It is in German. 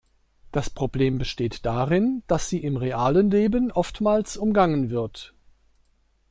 Das Problem besteht darin, dass sie im realen Leben oftmals umgangen wird.